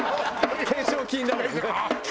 懸賞金だもんね。